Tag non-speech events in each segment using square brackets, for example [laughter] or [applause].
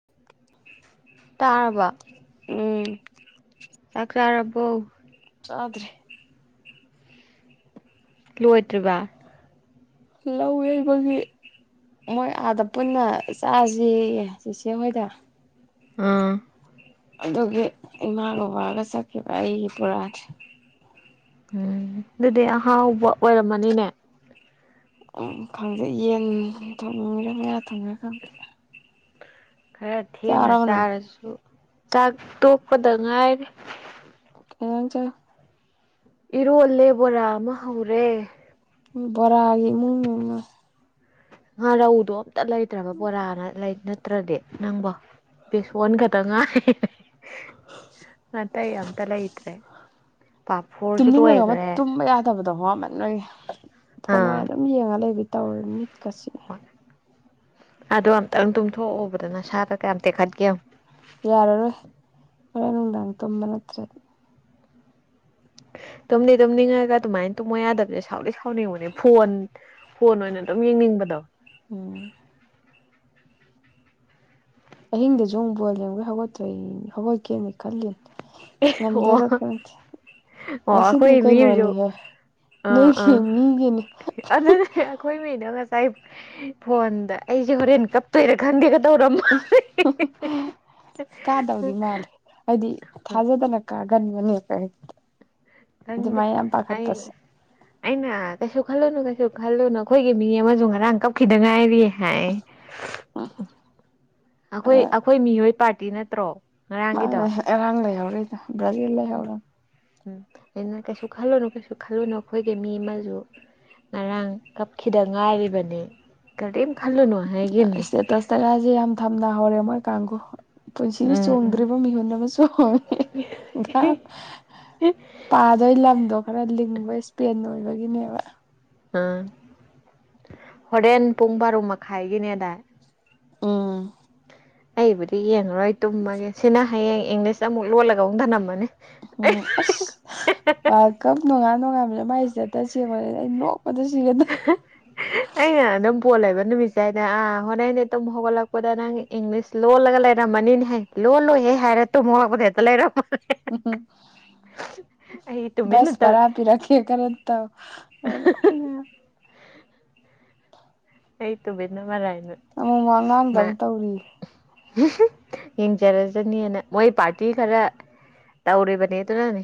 ꯎꯝ ꯇꯥꯔꯕ ꯆꯥꯛ ꯆꯥꯔꯕꯣ ꯇꯥꯗꯔꯦ ꯂꯣꯏꯗ꯭ꯔꯤꯕ ꯂꯧ ꯌꯩꯕꯒꯤ ꯃꯣꯏ ꯑꯥꯗ ꯄꯨꯟꯅ ꯆꯥꯁꯤꯌꯦ ꯆꯤꯆꯦ ꯍꯣꯏꯗ ꯑꯥ ꯑꯗꯨꯒꯤ ꯏꯃꯥ ꯕꯕꯥꯒ ꯆꯠꯈꯤꯕ ꯑꯩꯒꯤ ꯄꯨꯔꯥꯅꯤ ꯎꯝ ꯑꯗꯨꯗꯤ ꯑꯍꯥꯎꯕ ꯑꯣꯏꯔꯝꯃꯅꯤꯅꯦ ꯎꯝ ꯈꯪꯗꯦ ꯌꯦꯟ ꯊꯣꯡꯅꯤꯡꯔꯥ ꯉꯥ ꯊꯣꯡꯉꯤꯔ ꯈꯪꯗꯦ ꯈꯔ ꯊꯦꯡꯅ ꯆꯥꯔꯕ ꯅꯪ ꯆꯥꯔꯁꯨ ꯆꯥꯛ ꯇꯣꯛꯄꯗ ꯉꯥꯏꯔꯦ ꯀꯩ ꯏꯟꯖꯥꯡ ꯆꯥꯔꯥ ꯏꯔꯣꯂꯦ ꯕꯣꯔꯥ ꯑꯃ ꯍꯧꯔꯦ ꯕꯣꯔꯒꯤ ꯏꯃꯨꯡꯅꯤꯅꯦ ꯉꯥ ꯔꯧꯗꯣ ꯑꯝꯇ ꯂꯩꯇ꯭ꯔꯕ ꯕꯣꯔꯥꯅ ꯅꯠꯇ꯭ꯔꯗꯤ ꯅꯪꯕꯣ ꯕꯦꯁꯣꯟ ꯈꯛꯇ ꯉꯥꯏ ꯑꯇꯩ ꯑꯝꯇ ꯂꯩꯇ꯭ꯔꯦ ꯄꯥꯐꯣꯔꯁꯨ ꯇꯨꯝꯅꯤꯡꯉꯒ ꯑꯃ ꯂꯣꯏꯈ꯭ꯔꯦ ꯇꯨꯝꯕ ꯌꯥꯗꯕꯗꯣ ꯍꯥꯃꯟꯕꯒꯤ ꯐꯣꯟ ꯑꯥ ꯑꯣꯏꯅ ꯑꯗꯨꯝ ꯌꯦꯡꯉꯒ ꯂꯩꯕ ꯇꯧꯔ ꯃꯤꯠꯀ ꯆꯤꯛꯑꯦ ꯍꯣꯏ ꯑꯗꯣ ꯑꯝꯇꯪ ꯇꯨꯝꯊꯣꯛꯎꯕꯗ ꯅꯁꯥꯗ ꯀꯌꯥꯝ ꯇꯦꯛꯈꯠꯀꯦ ꯌꯦꯡꯉꯣ ꯉꯔꯥꯡ ꯅꯨꯡꯗꯥꯡ ꯇꯨꯝꯕ ꯅꯠꯇꯔꯗꯤ [inaudible] ꯇꯨꯝꯗꯤ ꯇꯨꯝꯅꯤꯡꯉꯒꯥ ꯑꯗꯨꯃꯥꯏꯅ ꯇꯨꯝꯃ ꯌꯥꯗꯕꯤꯗꯣ ꯁꯥꯎꯗꯤ ꯁꯥꯎꯅꯤꯡꯕꯅꯦ ꯐꯣꯟ ꯐꯣꯟ ꯑꯣꯏꯅ ꯑꯗꯨꯝ ꯌꯦꯡꯅꯤꯡꯕꯗꯣ ꯎꯝ ꯑꯍꯤꯡꯗꯁꯨ ꯑꯃꯨꯛ ꯕꯣꯜ ꯌꯦꯡꯕꯩ ꯍꯧꯒꯠꯇꯣꯏꯅꯦ ꯍꯧꯒꯠꯀꯦꯅ ꯈꯜꯂꯤ ꯑꯦ ꯑꯣ ꯉꯝꯗꯨꯏꯔ ꯈꯪꯗꯦ ꯑꯣ ꯉꯁꯤꯗꯤ ꯑꯩꯈꯣꯏ ꯃꯤ ꯑꯃꯖꯨ ꯀꯩꯅꯣꯅꯤꯍꯦ ꯑꯥ ꯅꯣꯏꯒꯤ ꯑꯥ ꯃꯤꯒꯤꯅꯤ ꯑꯗꯨꯅꯦ ꯑꯩꯈꯣꯏ ꯃꯤꯗꯣ ꯐꯣꯟꯗ ꯑꯩꯁꯦ ꯍꯣꯔꯦꯟ ꯀꯞꯇꯣꯏꯔꯥ ꯈꯟꯗꯦ ꯀꯥꯗꯧꯗꯤ ꯃꯥꯜꯂꯦ ꯍꯥꯏꯗꯤ ꯊꯥꯖꯗꯅ ꯀꯥꯏ ꯑꯀꯟꯕ ꯑꯅꯤꯒ ꯄꯥꯏ ꯈꯪꯟꯗꯦ ꯑꯩ ꯑꯩꯅꯥ ꯀꯩꯁꯨ ꯈꯜꯂꯨꯅꯨ ꯉꯥꯁꯤ ꯈꯜꯂꯨꯅ ꯑꯩꯈꯣꯏꯒꯤ ꯃꯤ ꯑꯃꯁꯨ ꯉꯔꯥꯡ ꯀꯞꯈꯤꯗ ꯉꯥꯏꯔꯤꯌꯦ ꯍꯥꯏ ꯑꯥꯈꯣꯏ ꯑꯥꯈꯣꯏ ꯃꯤꯑꯣꯏ ꯄꯥꯔꯇꯤ ꯅꯠꯇ꯭ꯔꯣ ꯉꯔꯥꯡꯒꯤꯗꯣ ꯃꯥꯅꯦ ꯑꯉꯥꯡ ꯂꯩ ꯍꯧꯔꯤꯗ ꯕꯔ꯭ꯖꯤꯜ ꯂꯩ ꯎꯝ ꯍꯧꯔꯝꯅꯦ ꯎꯝ ꯑꯩꯅꯣꯅꯦ ꯀꯩꯁꯨ ꯈꯜꯂꯨꯅꯨ ꯀꯩꯁꯨ ꯈꯜꯂꯨꯅꯨ ꯑꯩꯈꯣꯏꯒꯤ ꯃꯤ ꯑꯃꯁꯨ ꯉꯔꯥꯡ ꯀꯞꯈꯤꯗ ꯉꯥꯏꯔꯤꯕꯅꯤ ꯀꯔꯤꯝ ꯈꯜꯂꯨꯅꯨ ꯍꯥꯏꯈꯤꯕꯅꯤ ꯏꯁꯇꯦꯇꯁꯇꯀꯥꯁꯤ ꯌꯥꯝ ꯊꯝꯅ ꯍꯧꯔꯦ ꯃꯣꯏ ꯀꯥꯡꯕꯨꯨ ꯄꯨꯟꯁꯤꯒꯤ ꯎꯝ ꯎꯝ ꯆꯣꯡꯗ꯭ꯔꯤꯕ ꯃꯤꯍꯨꯟ ꯑꯃ ꯆꯣꯡꯉꯦ ꯄꯥꯗꯣꯏ ꯂꯝꯗꯣ ꯈꯔ ꯂꯤꯡꯕ ꯏꯁꯄꯦꯟ ꯑꯣꯏꯕꯒꯤꯅꯦꯕ ꯎꯝ ꯍꯣꯔꯦꯟ ꯄꯨꯡ ꯕꯥꯔꯣ ꯃꯈꯥꯏꯒꯤꯅꯦꯗꯥꯏ ꯎꯝ ꯑꯩꯕꯨꯗꯤ ꯌꯦꯡꯉꯔꯣꯏ ꯇꯨꯝꯃꯒꯦ ꯁꯤꯅ ꯍꯌꯦꯡ ꯏꯪꯂꯤꯁ ꯑꯃꯨꯛ ꯂꯣꯜꯂꯒ ꯑꯃꯨꯛ ꯊꯅꯝꯃꯅꯤ ꯎꯝ ꯑꯁ ꯋꯥꯔꯜ ꯀꯞ ꯅꯣꯡꯉꯥꯟ ꯅꯣꯡꯉꯥꯟꯕꯁꯦ ꯃꯥꯏ ꯁꯤꯇꯦꯇꯁ ꯌꯦꯡꯕꯗ ꯑꯩ ꯅꯣꯛ ꯑꯣꯁꯨ ꯁꯤꯒꯗ ꯑꯩꯅ ꯑꯗꯨꯝ ꯕꯣꯜ ꯂꯩꯕ ꯅꯨꯃꯤꯠꯁꯦ ꯍꯥꯏꯗ ꯑꯥ ꯍꯣꯔꯦꯟꯅꯦ ꯇꯨꯝ ꯍꯧꯒꯠꯂꯛꯄꯗ ꯅꯪ ꯏꯪꯂꯤꯁ ꯂꯣꯜꯂꯒ ꯂꯩꯔꯝꯃꯅꯤꯅꯦ ꯍꯥꯏ ꯂꯣꯏ ꯂꯣꯏꯍꯦ ꯍꯥꯏꯔ ꯇꯨꯃꯣ ꯑꯩꯕ ꯍꯦꯛꯇ ꯂꯩꯔꯝꯃꯣ ꯎꯝ ꯑꯩ ꯇꯨꯃꯤꯟꯅ ꯁ ꯇꯧ ꯃꯔꯔ ꯍꯥꯤꯔ ꯈꯔꯗ ꯇꯥꯎ ꯍꯅꯣꯏꯉ ꯑꯩ ꯇꯣ ꯦꯅ ꯃꯔꯥꯏ ꯇꯥꯣꯃ ꯑꯉꯥꯡꯗ ꯑꯃꯨ ꯇꯧꯔꯤ ꯌꯦꯡꯖꯔꯖꯅꯤꯅ ꯃꯣꯏ ꯄꯥꯔꯇꯤ ꯈꯔ ꯇꯧꯔꯕꯅꯦ ꯇꯅꯅꯤ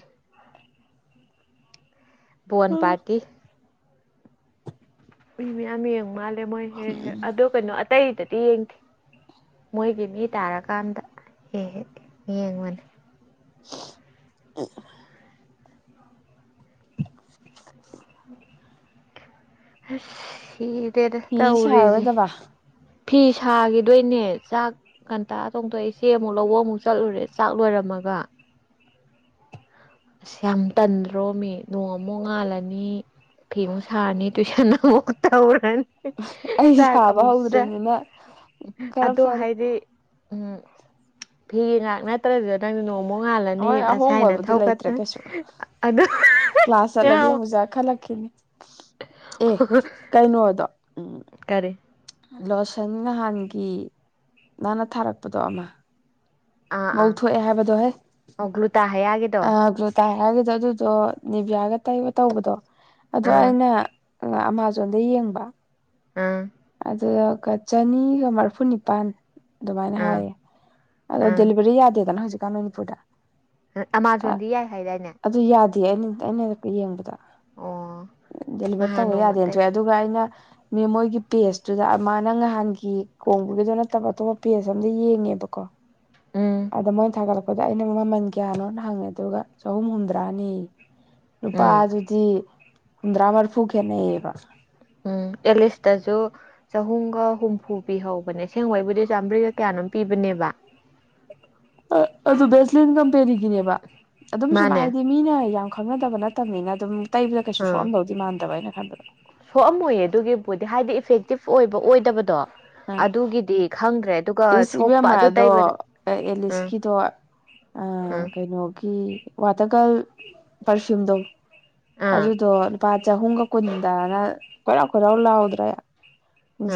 ꯚꯣꯟ ꯄꯥꯔꯇꯤ ꯃꯤ ꯃꯌꯥꯝ ꯌꯦꯡꯨ ꯃꯥꯜꯂꯦ ꯃꯣꯏ ꯍꯦ ꯍ ꯑꯗꯨꯣ ꯀꯩꯅꯣ ꯑꯇꯩꯗꯗꯤ ꯌꯦꯡꯗꯦ ꯃꯣꯏꯒꯤ ꯃꯤ ꯇꯥꯔꯀꯥꯟꯗ ꯍꯦ ꯍꯦ ꯌꯦꯡꯕꯅꯤ ꯏ ꯑ ꯁꯤꯗꯦꯗ ꯐꯤ ꯇ ꯎꯔꯤꯦꯁꯤ ꯁꯥꯔꯔꯣꯏꯗꯕ ꯐꯤ ꯁꯥꯈꯤꯗꯣꯏꯅꯦ ꯆꯥꯛ ꯀꯟꯇꯥ ꯇꯣꯡꯊꯣꯛꯏ ꯏꯆꯦ ꯑꯃꯨꯛ ꯂꯧꯕ ꯑꯃꯨꯛ ꯆꯠꯂꯨꯔꯦ ꯆꯥꯛ ꯂꯣꯏꯔꯝꯃꯒ ꯋꯥ ꯑꯁ ꯌꯥꯝ ꯇꯟꯗ꯭ꯔꯣ ꯃꯤ ꯅꯣꯡꯃꯨꯛ ꯉꯥꯜꯂꯅꯤ ꯐꯤꯃꯨꯡ ꯁꯥꯔꯅꯤ ꯇꯨꯋꯏꯁꯟ ꯑꯃ ꯑꯃ ꯇꯧꯔꯅꯤ ꯑꯩ ꯆꯥꯛ ꯁꯥꯕ ꯑꯃꯨꯛ ꯆ ꯍꯧꯗ꯭ꯔꯤꯕꯅꯤꯅ ꯈꯔ ꯑꯗꯣ ꯐꯔꯦ ꯍꯥꯏꯗꯤ ꯎꯝ ꯐꯤꯒꯤ ꯉꯍꯥꯛ ꯅꯠꯇ꯭ꯔꯗꯨꯗ ꯅꯪ ꯅꯣꯡ ꯍꯣꯏ ꯃꯣꯉꯥꯜꯂꯅꯤ ꯉꯁꯥꯏꯅ ꯑꯍꯣꯡꯕꯕꯨꯗꯤ ꯂꯩꯇ꯭ꯔꯦ ꯊꯧꯒꯠꯇ ꯀꯩꯁꯨ ꯑ ꯀ꯭ꯂꯥꯁ ꯆꯠꯂꯗꯤ ꯑꯃꯨꯖꯥ ꯈꯜꯂꯛꯈꯤꯅꯦ ꯑꯦ ꯀꯩꯅꯣꯗꯣ ꯎꯝ ꯀꯔꯦ ꯂꯣꯁꯟ ꯅꯍꯥꯟꯒꯤ ꯅꯥꯅ ꯊꯥꯔꯛꯄꯗꯣ ꯑꯃ ꯑꯥ ꯑꯥ ꯉꯧꯊꯣꯛꯑꯦ ꯍꯥꯏꯕꯗꯣ ꯍꯦ ꯑꯣꯒ꯭ꯂꯨ ꯇ ꯍꯌꯥꯒꯦꯗꯣ ꯇꯥꯏꯔꯒꯗꯤ ꯑꯗꯨꯗꯣ ꯅꯤꯚꯌꯥꯒ ꯇꯩꯕ ꯇꯧꯕꯗꯣ ꯑꯗꯣ ꯑꯥ ꯑꯩꯅ ꯑꯃꯥꯃꯥꯖꯣꯟꯗ ꯌꯦꯡꯕ ꯑꯝ ꯑꯗꯨꯒ ꯆꯅꯤꯒ ꯃꯔꯐꯨ ꯅꯤꯄꯥꯟ ꯑꯗꯨꯃꯥꯏꯅ ꯑꯥ ꯍꯥꯏꯌꯦ ꯑꯗꯣ ꯑꯥ ꯗꯦꯂꯤꯚꯔꯤ ꯌꯥꯗꯦꯗꯅ ꯍꯧꯖꯤꯛꯀꯥꯟ ꯃꯅꯤꯄꯨꯔꯗ ꯑꯥꯃꯥꯖꯣꯟꯗꯤ ꯌꯥꯏ ꯍꯥꯏꯗꯥꯏꯅꯦ ꯑꯗꯨ ꯌꯥꯗꯦ ꯑꯩꯅ ꯌꯦꯡꯕꯗ ꯑꯣ ꯗꯦꯂꯤꯚꯔ ꯅꯍꯥꯟ ꯇꯧꯕ ꯅꯣꯡꯃ ꯌꯥꯗꯦꯅ ꯑꯇꯩ ꯊꯣꯛꯑꯦ ꯑꯗꯨꯒ ꯑꯩꯅ ꯃꯣꯏꯒꯤ ꯄꯦꯖꯇꯨꯗ ꯃꯥꯅ ꯅꯍꯥꯟꯒꯤ ꯀꯣꯡꯕꯒꯤꯗꯣ ꯅꯠꯇꯕ ꯑꯇꯣꯞꯄ ꯄꯦꯖ ꯑꯝꯗ ꯌꯦꯡꯉꯦꯕꯀꯣ [unintelligible] ꯑꯗ ꯃꯣꯏꯅ ꯊꯥꯒꯠꯂꯛꯄꯗ ꯑꯩꯅ ꯃꯃꯟ ꯀꯌꯥꯅꯣꯅ ꯍꯪꯉꯦ ꯑꯗꯨꯒ ꯆꯍꯨꯝ ꯍꯨꯝꯗ꯭ꯔꯥꯅꯤ ꯅꯨꯄꯥ ꯎꯝ ꯑꯗꯨꯗꯤ ꯍꯨꯝꯗ꯭ꯔꯥ ꯃꯔꯤꯐꯨ ꯈꯦꯠꯅꯩꯌꯦꯕ ꯎꯝ ꯑꯦꯂꯤꯁꯇꯁꯨ ꯆꯍꯨꯝꯒ ꯍꯨꯝꯐꯨ ꯄꯤꯍꯧꯕꯅꯦ ꯁꯦꯡꯕꯩꯕꯨꯗꯤ ꯆꯥꯝꯃꯔꯤꯒ ꯀꯌꯥꯅꯣ ꯝ ꯄꯤꯕꯅꯦꯕ ꯑꯗꯨ ꯕꯦꯁꯂꯤꯟ ꯀꯝꯄꯦꯅꯤꯒꯤꯅꯦꯕ ꯑꯗꯨꯝ ꯁꯨꯝ ꯃꯥꯅꯦ ꯍꯥꯏꯗꯤ ꯃꯤꯅ ꯌꯥꯝ ꯈꯪꯅꯗꯕ ꯅꯠꯇꯕꯅꯤꯅ ꯑꯗꯨꯝ ꯇꯩꯕꯗ ꯀꯩꯁꯨ ꯑꯥ ꯁꯣꯛꯑꯝꯗꯧꯗꯤ ꯃꯥꯟꯗꯕ ꯍꯥꯏꯅ ꯈꯟꯕꯗꯣ ꯁꯣꯛꯑꯝꯃꯣꯏꯌꯦ ꯑꯗꯨꯒꯤꯕꯨꯗꯤ ꯍꯥꯏꯗꯤ ꯏꯐꯦꯛꯇꯤꯞ ꯑꯣꯏꯕ ꯑꯣꯏꯗꯕꯗꯣ ꯑ ꯑꯗꯨꯒꯤꯗꯤ ꯈꯪꯗ꯭ꯔꯦ ꯑꯗꯨꯒ ꯏꯁ ꯁꯣꯛꯄ ꯏꯕꯦꯝꯃ ꯑꯗꯨ ꯑꯗꯣ ꯇꯩꯕꯗ ꯎꯝ ꯑꯦꯂꯤꯁꯀꯤꯗꯣ ꯑ ꯎꯝ ꯀꯩꯅꯣꯒꯤ ꯋꯥꯇꯔꯒꯜ ꯄꯔꯁꯌꯨꯝꯗꯣ ꯑꯥ ꯑꯗꯨꯗꯣ ꯂꯨꯄꯥ ꯆꯍꯨꯝꯒ ꯀꯨꯟꯗꯅ ꯈꯣꯏꯔꯥꯎ ꯀꯣꯏꯔꯥꯎ ꯂꯥꯎꯗ꯭ꯔꯦ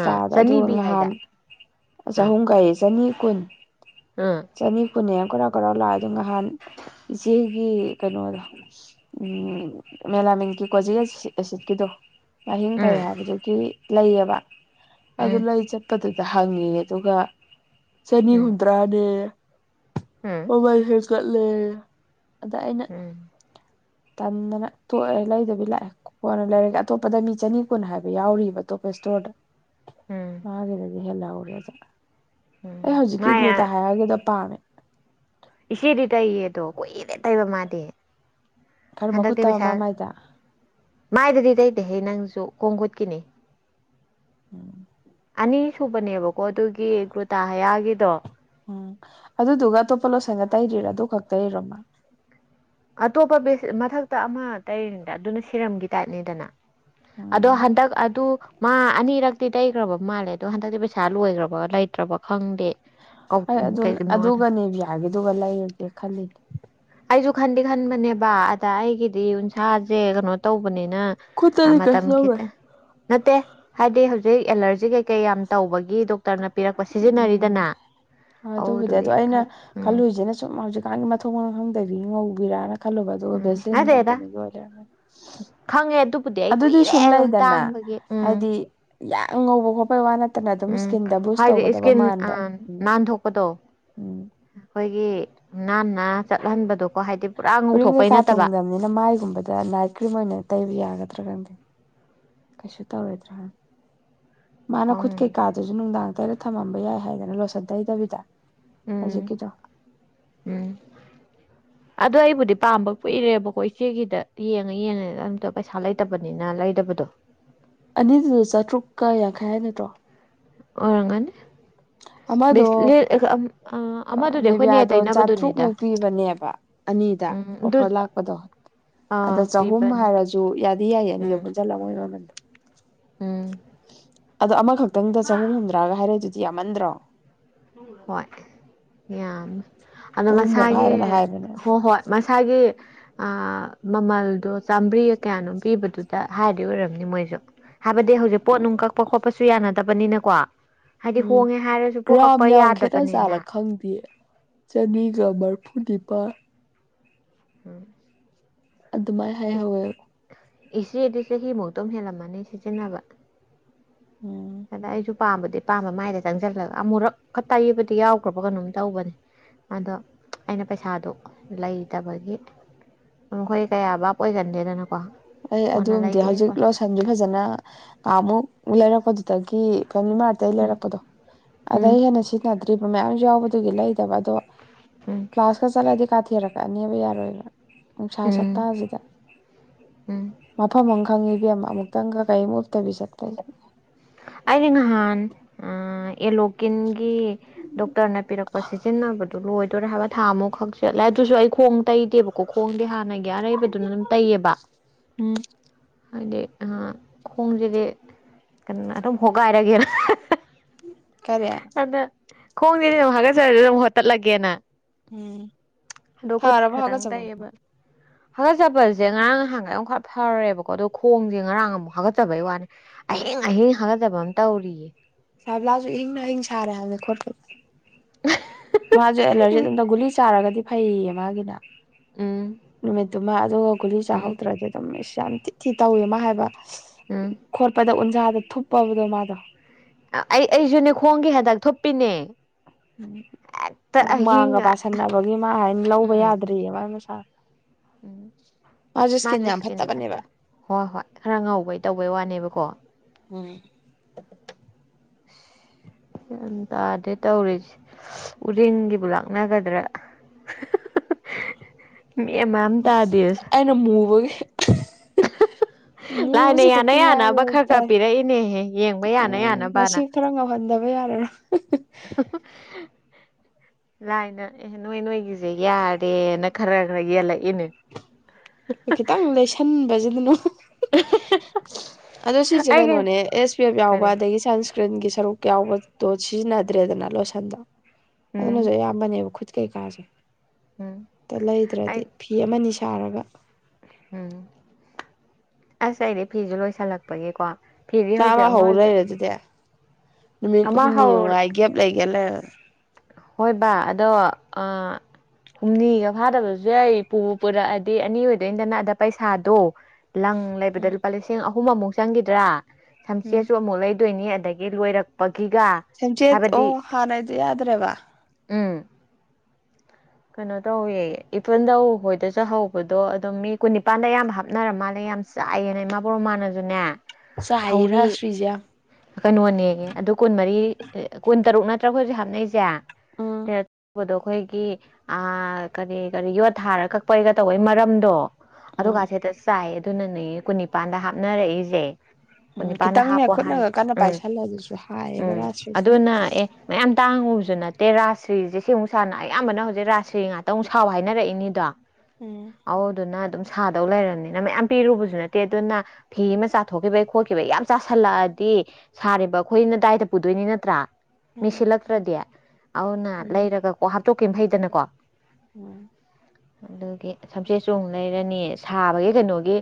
ꯑꯥ ꯆꯅꯤ ꯑꯗꯨꯒ ꯄꯤ ꯉꯍꯥꯟ ꯍꯥꯏꯗꯥꯏ ꯑꯥ ꯆꯍꯨꯝꯒꯥꯏꯌꯦ ꯆꯅꯤ ꯀꯨꯟ ꯎꯝ ꯆꯅꯤ ꯄꯨꯅꯦ ꯀꯧꯔꯥꯎ ꯀꯧꯔꯥꯎ ꯂꯥꯛꯑꯦ ꯑꯗꯣ ꯅꯍꯥꯟ ꯏꯆꯦꯒꯤ ꯀꯩꯅꯣꯗꯣ ꯎ ꯃꯦꯂ ꯃꯦꯟꯀꯤ ꯀꯣꯖꯤꯁꯤ ꯁꯤꯠꯀꯤꯗꯣ ꯂꯍꯤꯡ ꯐꯩ ꯎꯝ ꯍꯥꯏꯕꯗꯨꯒꯤ ꯂꯩꯌꯦꯕ ꯑꯗꯨ ꯎꯝ ꯂꯩ ꯆꯠꯄꯗꯨꯗ ꯍꯪꯉꯤꯅꯦ ꯑꯗꯨꯒ ꯆꯅꯤ ꯎꯝ ꯍꯨꯝꯇ꯭ꯔꯥꯅꯦ ꯎꯝ ꯑꯣꯃꯜ ꯍꯀꯠꯂꯦ ꯑꯗ ꯑꯩꯅ ꯎꯝ ꯇꯟꯗꯅ ꯇꯣꯛꯑꯦ ꯂꯩꯗꯕꯤ ꯂꯥꯛꯑꯦ ꯀꯣꯟꯅ ꯂꯩꯔꯒꯦ ꯑꯇꯣꯞꯄꯗ ꯃꯤ ꯆꯅꯤ ꯀꯨꯟ ꯍꯥꯏꯕ ꯌꯥꯎꯔꯤꯕ ꯑꯇꯣꯞꯄꯁꯨ ꯆꯣꯗ ꯎꯝ ꯃꯥꯒꯤꯗꯗꯤ ꯍꯦꯜꯍꯧꯔꯦꯗ ꯑꯩ ꯎꯝ ꯍꯧꯖꯤꯛꯀꯤ ꯃꯥꯏ ꯒ꯭ꯂꯨꯇ ꯍꯥꯏꯔꯒꯤꯗꯣ ꯄꯥꯝꯃꯦ ꯏꯆꯦꯗꯤ ꯇꯩꯌꯦ ꯑꯗꯣ ꯀꯨꯏꯔꯦ ꯇꯩꯕ ꯃꯥꯗꯤ ꯈꯔ ꯃꯈꯨꯠ ꯍꯟꯗꯛꯇꯤ ꯇꯕ ꯄꯩꯁꯥ ꯃꯥ ꯃꯥꯏꯗ ꯃꯥꯏꯗꯗꯤ ꯇꯩꯇꯦꯍꯦ ꯅꯪꯁꯨ ꯈꯣꯡ ꯈꯨꯠꯀꯤꯅꯤ ꯎꯝ ꯑꯅꯤꯁꯨꯨꯕꯅꯦꯕꯀꯣ ꯑꯗꯨꯒꯤ ꯒ꯭ꯔꯨꯇꯥ ꯍꯌꯥꯒꯤꯗꯣ ꯎꯝ ꯑꯗꯨꯗꯨꯒ ꯑꯇꯣꯞꯄ ꯂꯣꯁꯟꯒ ꯇꯩꯗ꯭ꯔꯥ ꯑꯗꯨ ꯈꯛꯇꯥ ꯇꯩꯔꯣ ꯃꯥ ꯑꯇꯣꯞꯄ ꯃꯊꯛꯇ ꯑꯃ ꯇꯩꯔꯤꯅꯤꯗ ꯑꯗꯨꯅ ꯁꯤꯔꯝꯒꯤ ꯇꯥꯏꯞꯅꯤꯗꯅ ꯑꯗꯣ ꯎꯝ ꯍꯟꯗꯛ ꯑꯗꯨ ꯃꯥ ꯑꯅꯤꯔꯛꯇꯤ ꯇꯩꯈ꯭ꯔꯕ ꯃꯥꯜꯂꯦ ꯑꯗꯣ ꯍꯟꯗꯛꯇꯤ ꯄꯩꯁꯥ ꯂꯣꯏꯈ꯭ꯔꯕ ꯂꯩꯇ꯭ꯔꯕ ꯈꯪꯗꯦ ꯑꯩ ꯑꯗꯨ ꯀꯩꯒꯤꯅꯣ ꯑꯗꯨꯒ ꯅꯦꯚꯌꯥꯒꯤꯗꯨꯒ ꯂꯩꯔꯒꯦ ꯈꯜꯂꯤꯅꯦ ꯑꯩꯁꯨ ꯈꯟꯗꯤ ꯈꯟꯕꯅꯦꯕ ꯑꯗ ꯑꯩꯒꯤꯗꯤ ꯎꯟꯁꯥꯁꯦ ꯀꯩꯅꯣ ꯇꯧꯕ ꯅꯤꯅ ꯈꯨꯠꯇꯗꯤ ꯀꯩꯁꯨ ꯃꯥꯇꯝ ꯇꯧꯔꯣꯏ ꯈꯤꯇꯥ ꯅꯠꯇꯦ ꯍꯥꯏꯗꯤ ꯍꯧ ꯍꯧꯖꯤꯛ ꯑꯦꯂꯔꯖꯤ ꯀꯩꯀꯩ ꯌꯥꯝ ꯇꯧꯕꯒꯤ ꯗꯣꯛꯇꯔꯅ ꯄꯤꯔꯛꯄ ꯎꯝ ꯁꯤꯖꯤꯟꯅꯔꯤꯗꯅ ꯑꯗꯨꯕꯨꯗꯤ ꯑꯗꯣ ꯑꯗꯨꯗꯨꯒꯤ ꯑꯩꯅ ꯈꯔ ꯎꯝ ꯈꯜꯂꯨꯏꯁꯤꯅ ꯁꯨꯝ ꯍꯧꯖꯤꯛ ꯒꯤ ꯃꯊꯧ ꯃꯐꯝꯝꯗꯕꯤ ꯉꯧꯕꯤꯔꯅ ꯈꯜꯂꯨꯕ ꯑꯗꯨꯒ ꯎꯝ ꯕꯦꯁꯤꯟ ꯅꯠꯇꯦꯗ ꯀꯝꯄꯦꯅꯤꯒꯤ ꯑꯣꯏ ꯂꯩꯔꯝꯃꯦ ꯈꯪꯉꯦ ꯑꯗꯨꯕꯨꯗꯤ ꯑꯩ ꯑꯗꯨꯗꯤ ꯁꯨꯝ ꯀꯨꯏꯔꯦ ꯂꯩꯗꯅ ꯇꯥꯡꯕꯒꯤ ꯎꯝ ꯍꯥꯏꯗꯤ ꯌꯥꯝ ꯉꯧꯕ ꯈꯣꯠꯄꯩ ꯋꯥ ꯅꯠꯇꯦ ꯐꯠꯇꯅ ꯑꯗꯨꯝ ꯎꯝ ꯏꯁꯀꯤꯟꯗ ꯕꯨꯁ ꯍꯥꯏꯗꯤ ꯇꯧꯒꯗꯕ ꯏꯁꯀꯤꯟ ꯃꯥꯟꯕ ꯎꯝ ꯎꯝ ꯒꯤ ꯅꯥꯟꯅ ꯆꯠꯍꯟꯕꯗꯣꯀꯣ ꯄꯨꯔꯥ ꯎꯔꯤꯡ ꯉꯧꯊꯣꯛꯄꯩ ꯀꯩꯀꯥ ꯅꯠꯇꯕ ꯊꯨꯡꯗꯕꯅꯤꯅ ꯃꯥꯏꯒꯨꯝꯕꯗ ꯅꯥꯏꯠ ꯀ꯭ꯔꯤꯝ ꯑꯣꯏꯅ ꯇꯩꯕ ꯌꯥꯒꯗ꯭ꯔꯥ ꯀꯩꯁꯨꯛ ꯇꯧꯔꯣꯏꯗ꯭ꯔꯥ ꯃꯥꯅ ꯈꯨꯠ ꯈꯪꯗꯦ ꯀꯩꯀꯥꯗꯨꯁꯨ ꯅꯨꯡꯗꯥꯡ ꯇꯔ ꯊꯝꯃꯝꯕ ꯌꯥꯏ ꯍꯥꯏꯗꯅ ꯂꯣꯁꯟ ꯇꯩꯗꯕꯤꯗ ꯎꯝ ꯍꯧꯖꯤꯛꯀꯤꯗꯣ ꯎꯝ ꯑꯗꯣ ꯑꯩꯕꯨꯗꯤ ꯄꯥꯝꯕ ꯀꯨꯏꯔꯦꯕꯀꯣ ꯏꯆꯦꯒꯤꯗ ꯌꯦꯡꯉ ꯌꯦꯡꯉ ꯑꯝꯇ ꯄꯩꯁꯥ ꯂꯩꯇꯕꯅꯤꯅ ꯂꯩꯇꯕ [unintelligible] ꯑꯅꯤꯗꯨꯗ ꯆꯥꯇ꯭ꯔꯨꯛꯀ ꯌꯥꯡꯈꯩ ꯍꯥꯏ ꯅꯠꯇ꯭ꯔꯣ ꯑꯣꯏꯔꯝꯒꯅꯤ ꯑꯃꯗꯣ ꯑ ꯑꯃꯗꯨꯅꯦ ꯑꯩꯈꯣꯏꯅꯦ ꯅꯦꯕꯤꯌꯥꯗꯣ ꯇꯩꯅꯕꯗꯨꯅꯦꯗ ꯆꯥꯇ꯭ꯔꯨꯛꯃꯨꯛ ꯄꯤꯕꯅꯦꯕ ꯑꯅꯤꯗ ꯑꯣꯐꯔ ꯂꯥꯛꯄꯗꯣ ꯑꯗ ꯑꯥ ꯆꯍꯨꯝ ꯄꯤꯕꯅꯦ ꯍꯥꯏꯔꯁꯨ ꯌꯥꯗꯤ ꯌꯥꯏꯌꯦ ꯑꯅꯤꯗꯣ ꯎꯝ ꯄꯨꯟꯁꯤꯜꯂ ꯃꯣꯏꯒꯤ ꯃꯃꯟꯗꯣ ꯎꯝ ꯑꯗꯣ ꯑꯃꯈꯛꯇꯪꯗ ꯆꯍꯨꯝ ꯍꯨꯝꯗ꯭ꯔꯥꯒ ꯍꯥꯏꯔꯛꯏꯗꯨꯗꯤ ꯌꯥꯝꯃꯟꯗ꯭ꯔꯣ ꯍꯣꯏ ꯌꯥꯝꯃꯦ ꯑꯗꯣ ꯆꯍꯨꯝꯃꯨꯛ ꯃꯁꯥꯒꯤ ꯍꯥꯏꯕꯅ ꯍꯥꯏꯕꯅꯦ ꯍꯣ ꯍꯣꯏ ꯃꯁꯥꯒꯤ ꯑ ꯃꯃꯜꯗꯣ ꯆꯥꯝꯃꯔꯤꯒ ꯀꯌꯥꯅꯣꯝ ꯄꯤꯕꯗꯨꯗ ꯍꯥꯏꯔꯗꯤ ꯑꯣꯏꯔꯝꯅꯤ ꯃꯣꯏꯁꯨ ꯍꯥꯏꯕꯥꯗꯤ ꯍꯧꯖꯤꯛ ꯄꯣꯠꯅꯨꯡ ꯀꯛꯄ ꯈꯣꯠꯄꯁꯨ ꯌꯥꯕꯅꯤꯅꯀꯣ ꯍꯥꯏꯗꯤ ꯎꯝ ꯍꯣꯡꯉꯦ ꯍꯥꯏꯔ꯭ꯁꯨ ꯒ꯭ꯔꯥꯝ ꯌꯥꯝ ꯈꯦꯠꯇ ꯖꯠꯂꯥ ꯈꯪꯗꯦ ꯆꯅꯤꯒ ꯃꯔꯐꯨ ꯅꯤꯄꯥꯥꯟ ꯎꯝ ꯑꯗꯨꯃꯥꯏ ꯍꯥꯏꯍꯧꯋꯦꯕꯥ ꯏꯆꯦꯗꯤ ꯆꯍꯤꯃꯨꯛꯇꯣ ꯍꯦꯜꯂꯝꯃꯅꯤ ꯁꯤꯖꯤꯟꯅꯕ ꯎꯝ ꯑꯗ ꯑꯩꯁꯨ ꯄꯥꯝꯕꯗꯤ ꯄꯥꯝꯕ ꯃꯥꯏꯗ ꯆꯪꯁꯤꯜꯂꯒ ꯑꯃꯨꯔꯛꯀꯥ ꯇꯧꯕꯥ ꯌꯕꯗꯤ ꯌꯥꯎꯈ꯭ꯔꯕ ꯀꯩꯅꯣꯝ ꯇꯧꯕꯅꯦ ꯑꯗꯣ ꯑꯩꯅ ꯄꯩꯁꯥꯗꯨ ꯂꯩꯇꯕꯒꯤ ꯈꯣꯏ ꯀꯌꯥ ꯕꯥꯞ ꯑꯣꯏꯒꯟꯗꯦꯗꯅꯀꯣ ꯑꯩ ꯀꯣꯟꯅ ꯑꯗꯨꯝꯗꯤ ꯂꯩꯒꯦ ꯍꯧꯖꯤꯛ ꯀꯣꯟ ꯂꯣꯁꯟꯁ ꯐꯖꯅꯃꯨꯛ ꯂꯩꯔꯛꯄꯗꯨꯗꯒꯤ ꯐꯦꯃꯤꯂꯤ ꯃꯥꯔꯠꯇꯒꯤ ꯎꯝ ꯂꯩꯔꯛꯄꯗꯣ ꯑꯗꯩ ꯎꯝ ꯍꯦꯟꯅ ꯁꯤꯖꯤꯟꯅꯗ꯭ꯔꯤꯕ ꯃꯌꯥꯝ ꯌꯥꯎꯕꯗꯨꯒꯤ ꯂꯩꯗꯕ ꯑꯗꯣ ꯎꯝ ꯀ꯭ꯂꯥꯁꯀꯥ ꯆꯂꯥꯏꯗꯤ ꯀꯥꯊꯦꯔꯀꯥꯅꯤꯕ ꯌꯥꯔꯣꯏꯕꯥ ꯅꯨꯡꯁꯥ ꯎꯝ ꯁꯇꯥꯁꯤꯗ ꯎꯝ ꯃꯐꯝ ꯑꯃ ꯈꯪꯉꯤ ꯑꯃꯨꯛꯇꯪꯒ ꯀꯩꯝ ꯎꯞꯇꯥꯕꯤ ꯆꯠꯄꯥꯗ ꯑꯩꯗꯤ ꯅꯍꯥꯟ ꯑꯦꯂꯣꯀꯤꯟ ꯒꯤ ꯗꯣꯛꯇꯔꯅ ꯄꯤꯔꯛꯄ ꯁꯤꯖꯤꯟꯅꯕꯗꯨ ꯂꯣꯏꯗꯣꯏꯔꯦ ꯍꯥꯏꯕ ꯊꯥ ꯑꯃꯨꯛ ꯈꯛ ꯆꯠꯂꯦ ꯑꯗꯨꯁꯨ ꯑꯩ ꯈꯣꯡ ꯇꯩꯗꯦꯕꯀꯣ ꯈꯣꯡꯗꯤꯦ ꯍꯥꯟꯅꯒꯤ ꯑꯔꯩꯕꯗꯨꯅ ꯑꯗꯨꯝ ꯇꯩꯌꯦꯕ ꯎꯝ ꯍꯥꯏꯗꯤ ꯈꯣꯡꯁꯤꯗꯤ ꯀꯩꯅ ꯑꯗꯨꯝ ꯍꯣꯒꯥꯏꯔꯒꯦꯅ ꯀꯦ ꯈꯣꯡꯗꯤꯦꯗꯤ ꯅ ꯍꯥꯒꯠꯆꯔꯗꯤ ꯑꯃꯨꯛꯣꯠꯇꯠꯂꯒꯦꯅ ꯎꯝ ꯈꯠ ꯐꯔꯕ ꯈꯔꯪ ꯍꯥꯒꯠꯆꯕ ꯇꯥꯏꯌꯦꯕ ꯍꯥꯀꯠꯆꯕꯁꯦ ꯉꯔꯥꯡ ꯅꯍꯥꯟꯒꯨ ꯈꯔ ꯐꯔꯦꯕꯀꯣ ꯑꯗꯣ ꯈꯣꯡꯁꯦ ꯉꯔꯥꯡ ꯑꯃꯨꯛ ꯍꯥꯒꯠꯆꯕꯩ ꯋꯥꯅꯦ ꯑꯩ ꯍꯍꯌꯦ ꯍꯥꯒꯠꯗꯕ ꯑꯇꯧꯔꯤꯌꯦ ꯁꯥꯕ꯭ꯂꯁꯨ ꯏꯪꯅ ꯑꯪ ꯁꯥꯔꯦ ꯍꯥꯏꯜꯦ ꯈꯣꯠ ꯒꯨꯂꯤ ꯆꯥꯔꯒꯗꯤ ꯐꯩꯌꯦ ꯃꯥꯒꯤꯅ ꯎꯝ ꯅꯨꯃꯤꯠꯇꯨꯃ ꯑꯗꯨꯒ ꯒꯨꯂꯤ ꯎꯝ ꯆꯥꯍꯧꯗ꯭ꯔꯗꯤ ꯑꯗꯨꯝ ꯏꯁ ꯌꯥꯝ ꯤ ꯊꯤ ꯇꯧꯋꯦ ꯃꯥ ꯍꯥꯏꯕ ꯎꯝ ꯈꯣꯠꯄꯗ ꯎꯟꯖꯥꯗ ꯊꯨꯞꯄꯕꯗꯣ ꯃꯥꯗꯣ ꯑꯩ ꯑꯩꯁꯨꯅꯦ ꯈꯣꯡꯒꯤ ꯍꯟꯗꯛ ꯊꯣꯛꯄꯤꯅꯦ ꯎꯝ ꯑꯍꯤꯡ ꯍꯨꯃꯥꯡꯒ ꯄꯁꯟꯅꯕꯒꯤ ꯃꯥ ꯍꯥꯏꯅ ꯂꯧꯕ ꯎꯝ ꯌꯥꯗ꯭ꯔꯤꯑꯕ ꯃꯁꯥ ꯎꯝ ꯃꯥꯁꯨ ꯏꯁꯀꯤꯟ ꯌꯥꯝ ꯏꯁꯀꯤꯟꯗꯤꯦ ꯐꯠꯇꯕꯅꯦꯕ ꯐꯠꯇ ꯍꯣꯏ ꯍꯣꯏ ꯈꯔ ꯉꯧꯕꯩ ꯇꯧꯕꯩ ꯋꯥꯅꯦꯕꯀꯣ [unintelligible] ꯌꯥꯝ ꯇꯥꯗꯦ ꯇꯧꯔꯤꯁꯦ ꯎꯔꯤꯦꯟꯒꯤꯕꯨ ꯂꯥꯛꯅꯒꯗ꯭ꯔꯥ [inaudible] ꯑꯃ ꯇꯥꯗꯦ ꯑꯩꯅ ꯃꯨꯕꯒꯤ ꯂꯥꯏꯅ ꯃꯤꯁꯨ ꯌꯥꯅ ꯈꯛꯇ ꯉꯥꯏꯕ ꯌꯥꯅꯕ ꯈꯔ ꯈꯔ ꯍꯥꯏꯇꯥꯥꯏ ꯄꯤꯔꯛꯏꯅꯦꯍꯦ ꯌꯦꯡꯕ ꯌꯥꯅ ꯎꯝ ꯃꯁꯤ ꯌꯥꯅꯕꯅ ꯈꯔ ꯉꯝꯍꯟꯗꯕ ꯃ ꯌꯥꯔꯦꯅ [inaudible] ꯂꯥꯏꯅ ꯑꯦꯍ ꯅꯣꯏ ꯅꯣꯏꯒꯤꯁꯦ ꯌꯥꯔꯦꯅ ꯈꯔ ꯈꯔ ꯌꯦꯜꯂꯛꯏꯅꯦ ꯈꯤꯇꯪ ꯂꯩꯁꯟꯕꯁꯤꯗꯅ ꯑꯗꯣ ꯁꯤꯁꯦ ꯑꯩꯒꯤ ꯀꯩꯅꯣꯅꯦ ꯑꯦꯁ ꯄꯤ ꯑꯦꯐ ꯌꯥꯎꯕ ꯀꯔꯤ ꯑꯗꯒꯤ ꯁꯟ ꯐ꯭ꯔꯦꯟꯒꯤ ꯁꯔꯨꯛ ꯌꯥꯎꯕꯗꯣ ꯁꯤꯖꯤꯟꯅꯗ꯭ꯔꯦꯗꯅ ꯂꯣꯏꯁꯟꯗꯣ ꯑꯗꯨꯅꯁꯨ ꯎꯝ ꯑꯌꯥꯝꯕꯅꯦꯕ ꯃꯇ ꯀꯥꯁꯦ ꯎꯝ ꯇ ꯂꯩꯗ꯭ꯔꯗꯤ ꯑꯩ ꯐꯤ ꯑꯃꯅꯤ ꯁꯥꯔꯒ ꯎꯝ ꯑꯁ ꯑꯩꯗꯤ ꯐꯤꯁꯨ ꯂꯣꯏꯁꯤꯜꯂꯛꯄꯒꯤꯀꯣ ꯐꯤꯗꯤ ꯍꯧꯖꯤꯛ ꯆꯥꯝꯃ ꯑꯃ ꯍꯧ ꯂꯩꯔꯦ ꯑꯗꯨꯗꯤ ꯅꯨꯃꯤꯠ ꯑꯃ ꯍꯨꯝꯅꯤ ꯋꯥꯏ ꯒꯦꯞ ꯂꯩꯒꯦꯂ ꯍꯣꯏ ꯕꯥ ꯑꯗꯣ ꯍꯨꯝꯅꯤꯒ ꯐꯥꯗꯕꯁꯨ ꯌꯥꯏ ꯄꯨ ꯄꯨꯔꯛꯑꯗꯤ ꯑꯅꯤ ꯑꯣꯏꯗꯣꯏꯗꯅ ꯑꯗ ꯄꯩꯁꯥꯗꯣ ꯂꯪ ꯂꯩꯕꯗ ꯎꯝ ꯂꯨꯄꯥ ꯂꯤꯁꯤꯡ ꯑꯍꯨꯝ ꯑꯃꯨꯛ ꯆꯪꯈꯤꯗ꯭ꯔꯥ ꯎꯝ ꯁꯝꯆꯦꯁꯨ ꯑꯃꯨꯛ ꯂꯩ ꯑꯗꯨꯣꯏꯅꯤ ꯑꯗꯒꯤ ꯂꯣꯏꯔꯛ ꯆꯆꯦꯠ ꯑꯣ ꯍꯥꯟꯥꯏ ꯌꯥꯗ꯭ꯔꯦ ꯋꯥ ꯎꯝ ꯀꯩꯅꯣ ꯇꯧꯋꯦ ꯏꯄꯨꯟꯗꯧ ꯍꯣꯏꯗꯁꯨꯍꯧꯕꯗꯣ ꯑꯗꯨꯝ ꯃꯤ ꯀꯨꯟꯅꯤꯄꯥꯟꯗ ꯑꯌꯥꯝꯕ ꯍꯥꯞꯅꯔ ꯃꯥꯜꯂꯦ ꯌꯥꯝ ꯆꯥꯏꯌꯦꯅꯦ ꯏꯃꯥ ꯕꯣꯔꯣ ꯃꯥꯟꯅꯁꯨꯅꯦ ꯆꯥꯏꯌꯦ ꯊꯧꯔꯤ ꯔꯥꯁꯇ꯭ꯔꯤꯁꯦ ꯌꯥꯝ ꯀꯩꯅꯣꯅꯦꯉꯦ ꯑꯗꯨ ꯀꯨꯟꯃꯔꯤ ꯀꯨꯟ ꯇꯔꯨꯛ ꯅꯠꯇ꯭ꯔꯒ ꯑꯩꯈꯣꯏ ꯍꯧꯖꯤꯛ ꯍꯥꯞꯅꯩꯁꯦ ꯎꯝ ꯁꯤꯗ ꯇꯧꯕꯗꯣ ꯑꯩꯈꯣꯏꯒꯤ ꯑ ꯀꯔꯤ ꯀꯔꯤ ꯌꯣꯠ ꯊꯥꯔ ꯀꯛꯄꯩꯒ ꯇꯧꯕꯩ ꯃꯔꯝꯗꯣ ꯎꯝ ꯑꯗꯨꯀꯁꯨ ꯍꯦꯛꯇ ꯆꯥꯏ ꯑꯗꯨꯅꯅꯦꯣꯏ ꯀꯨꯟꯅꯤꯄꯥꯥꯟꯗ ꯍꯥꯞꯅꯔꯛꯏꯁꯦ ꯎꯝ ꯀꯨꯟꯅꯤꯄꯥꯥꯟꯗ ꯈꯤꯇꯪꯅꯦ ꯍꯥꯞꯄꯣ ꯍꯥꯏꯦ ꯈꯨꯠꯅꯒ ꯀꯟꯅ ꯎꯝ ꯄꯥꯏꯁꯜꯂ ꯑꯗꯨꯁꯨ ꯍꯥꯏꯌꯦꯕ ꯎꯝ ꯔꯥꯁꯇ꯭ꯔꯤꯁꯦ ꯑꯗꯨꯅ ꯑꯦ ꯃꯌꯥꯝ ꯇꯥꯡꯉꯨ ꯑꯗꯨꯨ ꯅꯠꯇꯦ ꯔꯥꯥꯁ꯭ꯔꯤꯁꯦ ꯁꯤꯃꯨꯛ ꯁꯥꯥꯟꯅ ꯑꯌꯥꯝꯕꯅ ꯍꯧꯖꯤꯛ ꯔꯥꯥꯁ꯭ꯔꯤ ꯉꯥꯛꯇ ꯑꯃꯨꯛ ꯁꯥꯎꯕ ꯍꯥꯏꯅꯔꯛꯏꯅꯤꯗꯣ ꯎꯝ ꯍꯥꯎꯗ ꯅ ꯑꯗꯨ ꯁꯥꯗꯧ ꯂꯩꯔꯕꯅꯤꯅ ꯃꯌꯥꯝ ꯄꯤꯔꯨꯕꯁꯨ ꯅꯠꯇꯦ ꯑꯗꯨꯅ ꯐꯤ ꯑꯃ ꯆꯥꯊꯣꯛꯈꯤꯕꯩ ꯈꯣꯠꯈꯤꯕꯒꯤ ꯌꯥꯝ ꯆꯥꯥꯁꯜꯂꯛꯑꯗꯤ ꯁꯥꯔꯤꯕ ꯑꯩꯈꯣꯏꯅꯗꯥꯏꯗ ꯄꯨꯗꯣꯏꯅꯤ ꯅꯠꯇ꯭ꯔꯥ ꯃꯤ ꯎꯝ ꯁꯤꯜꯂꯛꯇ꯭ꯔꯗꯤ ꯑꯗꯨꯅ ꯎꯝ ꯂꯩꯔꯒ ꯀꯣ ꯍꯥꯞꯇꯣꯛꯀ ꯐꯩꯗꯅꯀꯣ ꯎꯝ ꯑꯗꯨꯒꯤ ꯁꯝꯆꯦꯠ ꯆꯣꯡ ꯂꯩꯔꯅꯤ ꯁꯥꯕꯒꯤ ꯀꯩꯅꯣꯒꯤ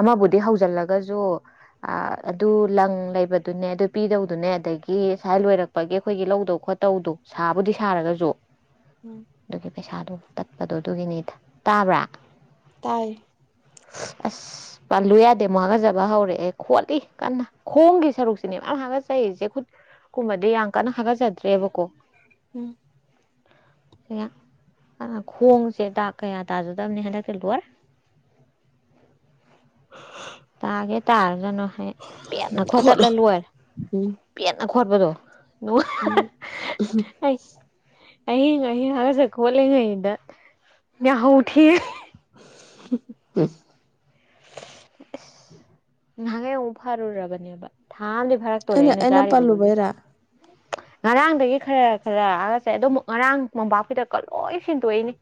ꯑꯃꯕꯨꯗꯤ ꯍꯧꯖꯤꯜꯂꯒꯁꯨ ꯑꯗꯨ ꯂꯪ ꯂꯩꯕꯗꯨꯅꯦ ꯑꯗꯨ ꯄꯤꯗꯧꯗꯨꯅꯦ ꯑꯗꯒꯤ ꯉꯥꯏ ꯂꯣꯏꯔꯛꯄꯒꯤ ꯑꯩꯈꯣꯏꯒꯤ ꯂꯧꯗꯧ ꯈꯣꯠꯇꯧꯗꯣ ꯁꯥꯕꯨꯗꯤ ꯁꯥꯔꯒꯁꯨ ꯎꯝ ꯑꯗꯨꯒꯤ ꯄꯩꯁꯥꯗꯨ ꯇꯠꯄꯗꯣ ꯑꯗꯨꯒꯤꯅꯤ ꯇꯥꯕ꯭ꯔꯥ ꯇꯥꯏ ꯑ ꯄꯜꯂꯨ ꯌꯥꯗꯦ ꯑꯃꯨꯛ ꯍꯥꯒꯠꯆꯕ ꯍꯧꯔꯦ ꯑꯦ ꯈꯣꯠꯂꯤ ꯀꯟꯅ ꯈꯣꯡꯒꯤ ꯁꯔꯨꯛꯁꯤꯅꯦ ꯃꯥꯅ ꯍꯥꯒꯠꯆꯔꯤꯁꯦ ꯈꯨꯠ ꯀꯨꯝꯕꯗꯤ ꯌꯥꯝ ꯀꯟꯅ ꯍꯥꯒꯠꯆꯗ꯭ꯔꯦꯕꯀꯣ ꯎꯝ ꯈꯣꯡꯁꯦ ꯗꯥꯛ ꯀꯌꯥ ꯇꯥꯖꯗꯕꯅꯤ ꯍꯟꯗꯛꯇꯤ ꯂꯣꯏꯔ ꯇꯒꯦ ꯇꯔꯖꯅꯣ ꯍꯥꯏꯦ ꯄꯦꯠꯅ ꯈꯣꯠꯂꯣ ꯈꯣꯠꯇꯠꯂ ꯂꯣꯏꯔ ꯎꯝ ꯄꯦꯠꯅ ꯈꯣꯠꯄꯗꯣ ꯎꯝ ꯑꯩ ꯑꯍꯤꯡ ꯑꯍꯤꯡ ꯍꯥꯏꯔꯁꯦ ꯈꯣꯠꯂꯤꯉꯩꯗ ꯌꯥꯍꯧ ꯊꯤ ꯎꯝ [inaudible] ꯎꯝ ꯅꯍꯥꯟꯍꯩ ꯑꯃꯨꯛ ꯐꯥꯔꯨꯔꯕꯅꯦꯕ ꯊꯥ ꯑꯃꯗꯤ ꯐꯥꯔꯛꯇꯣꯔꯦ ꯑꯩꯅ ꯆꯥꯔꯤꯕ ꯈꯣꯠꯂꯁꯦ ꯉꯔꯥꯡꯗꯒꯤ ꯈꯔ ꯈꯔꯂꯒꯁꯦ ꯑꯗꯣ ꯉꯔꯥꯡ ꯃꯄꯥꯛꯄꯤꯗꯀ ꯂꯣꯏ ꯁꯟꯗꯣꯛꯏꯅꯤ